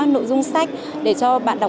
nội dung sách để cho bạn đọc